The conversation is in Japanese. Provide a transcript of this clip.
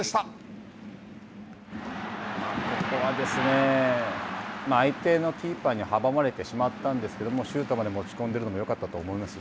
ここは相手のキーパーに阻まれてしまったんですけれども、シュートまで持ち込んでいるのもよかったと思います。